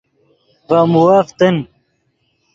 ڤے مووف تن